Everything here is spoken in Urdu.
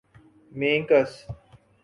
مینکس